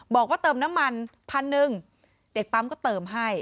บอกว่าเติมน้ำมันพันหนึ่งเด็กปั๊มก็เติมให้